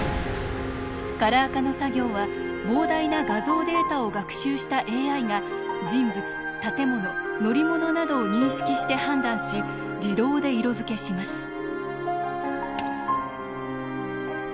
カラー化の作業は膨大な画像データを学習したＡＩが人物建物乗り物などを認識して判断し自動で色づけします。